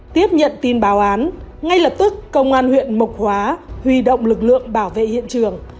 tiếp nhận tin báo án ngay lập tức công an huyện mộc hóa huy động lực lượng bảo vệ hiện trường